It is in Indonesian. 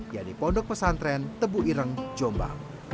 yaitu pondok pesantren tebu ireng jombang